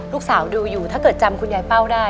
ดูอยู่ถ้าเกิดจำคุณยายเป้าได้